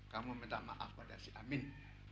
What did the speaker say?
kamu minta maaf pada si amin